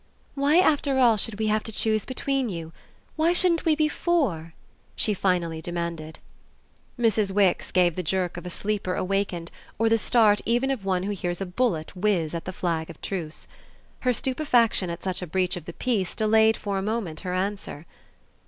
"Why after all should we have to choose between you? Why shouldn't we be four?" she finally demanded. Mrs. Wix gave the jerk of a sleeper awakened or the start even of one who hears a bullet whiz at the flag of truce. Her stupefaction at such a breach of the peace delayed for a moment her answer.